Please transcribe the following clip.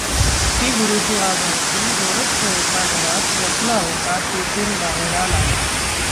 ती गुरूची हाक ऐकून गोरक्ष एका घरात लपला होता तेथून बाहेर आला.